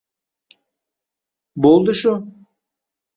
Bo'ldi shu